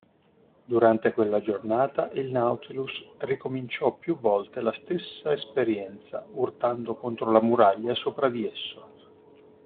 Durante quella giornata, il Nautilus ricominciò più volte la stessa esperienza urtando contro la muraglia sopra di esso.